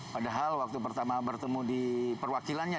padahal waktu pertama bertemu di perwakilannya